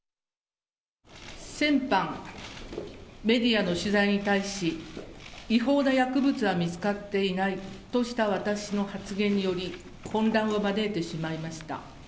先般、メディアの取材に対し、違法な薬物は見つかっていないとした私の発言により、混乱を招いてしまいました。